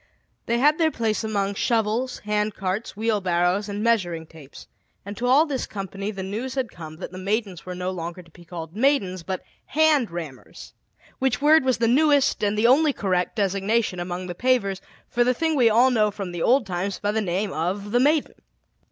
They had their place among shovels, hand carts, wheelbarrows, and measuring tapes; and to all this company the news had come that the Maidens were no longer to be called "maidens," but "hand rammers," which word was the newest and the only correct designation among the pavers for the thing we all know from the old times by the name of "the maiden."